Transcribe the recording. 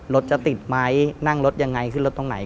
รถจะติดไหมนั่งรถยังไงขึ้นรถตรงไหน